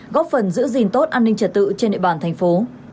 góp phần giữ gìn tốt an ninh trật tự trên địa bàn thành phố